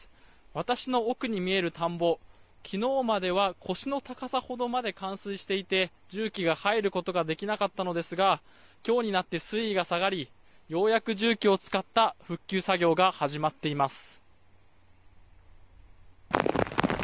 私の奥に見える田んぼ昨日までは腰の高さほどまで冠水していて、重機が入ることができなかったのですが今日になって水位が下がりようやく重機を使った復旧作業が始まっています。